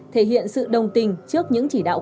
thể hiện sự đồng tình trước những chỉ đạo